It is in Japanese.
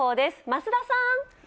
増田さん！